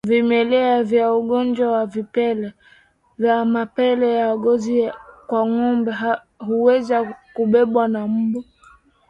Vimelea vya ugonjwa wa mapele ya ngozi kwa ngombe huweza kubebwa na mbu